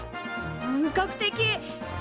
本格的！え